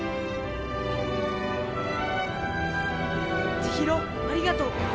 千尋ありがとう。